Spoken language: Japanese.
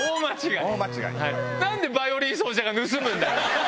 何でヴァイオリン奏者が盗むんだよ！